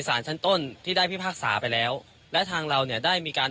สารชั้นต้นที่ได้พิพากษาไปแล้วและทางเราเนี่ยได้มีการ